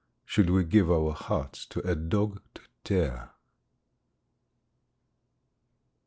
Should we give our hearts to a dog to tear?